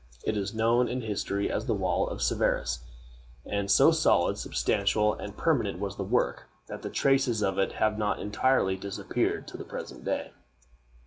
It is known in history as the Wall of Severus; and so solid, substantial, and permanent was the work, that the traces of it have not entirely disappeared to the present day.